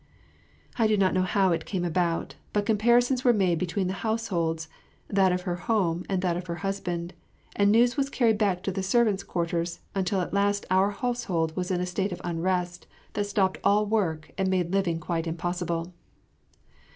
I do not know how it came about, but comparisons were made between the households, that of her home and that of her husband, and news was carried back to the servants' quarters until at last our household was in a state of unrest that stopped all work and made living quite impossible.